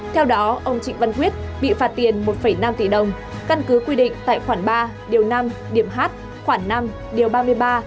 theo đó ông trịnh văn quyết bị phạt tiền một năm tỷ đồng căn cứ quy định tại khoản ba điều năm điểm h khoảng năm điều ba mươi ba